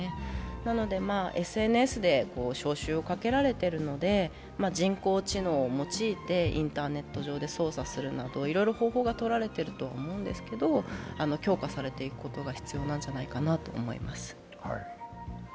なので、ＳＮＳで招集をかけられているので人工知能を用いてインターネット上で操作するなど、いろいろ方法がとられているとは思うんですけど、強化されていくことが必要なんじゃないかと思います。